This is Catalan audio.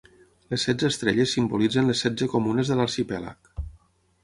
Les setze estrelles simbolitzen les setze comunes de l'arxipèlag.